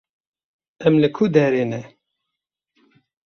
Em li ku derê ne?